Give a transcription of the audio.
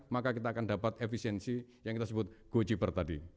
maka kita akan dapat efisiensi yang kita sebut go chipper tadi